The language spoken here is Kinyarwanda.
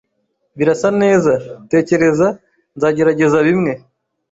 Birasa neza. Tekereza nzagerageza bimwe.